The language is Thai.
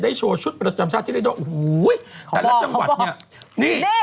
ได้โชว์ชุดประจำชาติที่ได้โดนโอ้โหแต่ละจังหวัดเนี่ยนี่